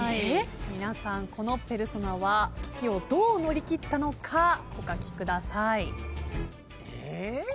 皆さんこのペルソナは危機をどう乗り切ったのかお書きください。